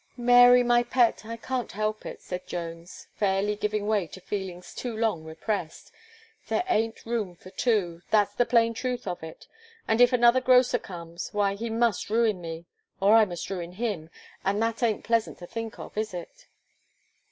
"Mary, my pet, I can't help it," said Jones, fairly giving way to feelings too long repressed; "there aint room for two, that's the plain truth of it, and if another grocer comes, why, he must ruin me, or I must ruin him; and that aint pleasant to think of, is it?"